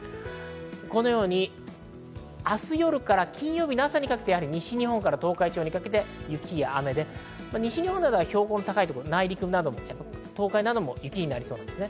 このように明日夜から金曜日の朝にかけて西日本から東海地方にかけて雪や雨で西日本などは標高の高いところ、内陸など東海なども雪になりそうです。